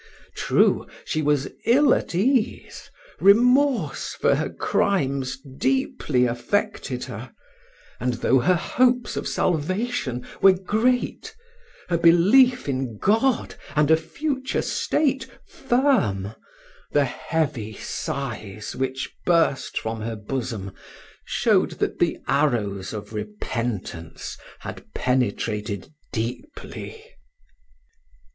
True, she was ill at ease: remorse for her crimes deeply affected her; and though her hopes of salvation were great, her belief in God and a future state firm, the heavy sighs which burst from her bosom, showed that the arrows of repentance had penetrated deeply.